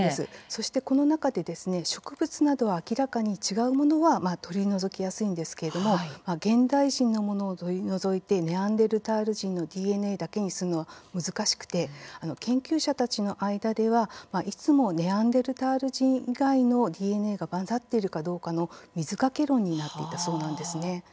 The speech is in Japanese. そして、この中で植物などは明らかに違うものは取り除きやすいんですけれども現代人のものを取り除いてネアンデルタール人のＤＮＡだけにするのは難しくて研究者たちの間ではいつもネアンデルタール人以外のＤＮＡが混ざっているかどうかの水かけ論になっていたそうなんですね。